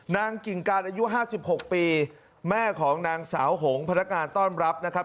นางกิ่งกาลอายุห้าสิบหกปีแม่ของนางสาวโหงพนักงานต้อนรับนะครับ